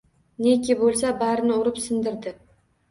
Neki bo’lsa, barini urib-sindirdi.